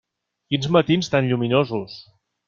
Quins matins tan lluminosos.